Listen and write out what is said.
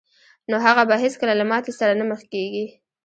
نو هغه به هېڅکله له ماتې سره نه مخ کېږي